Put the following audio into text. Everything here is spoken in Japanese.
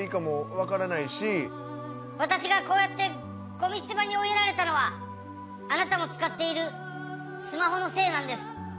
私がこうやってごみ捨て場に追いやられたのはあなたも使っているスマホのせいなんです。